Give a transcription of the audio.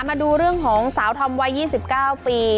มาดูเรื่องของสาวธอมวัย๒๙ปี